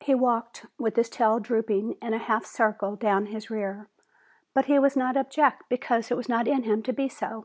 He walked with his tail drooping in a half circle down his rear, but he was not abject because it was not in him to be so.